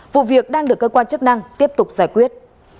vụ việc đang được cơ quan chức năng tiếp tục giải quyết